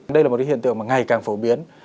đây là một cái hiện tượng mà ngày càng phổ biến